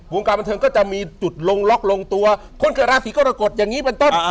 การบันเทิงก็จะมีจุดลงล็อกลงตัวคนเกิดราศีกรกฎอย่างนี้เป็นต้น